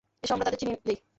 এসো আমরা তাদের চিনিয়ে দেই।